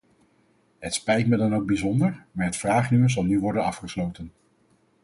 Het spijt me dan ook bijzonder, maar het vragenuur zal nu worden afgesloten.